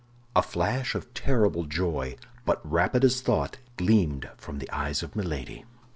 A flash of terrible joy, but rapid as thought, gleamed from the eyes of Milady.